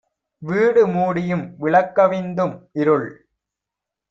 வீடு மூடியும் விளக்கவிந் தும்இருள்